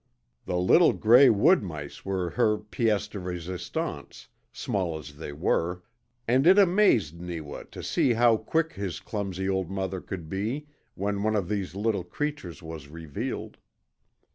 The little gray wood mice were her piece de resistance, small as they were, and it amazed Neewa to see how quick his clumsy old mother could be when one of these little creatures was revealed.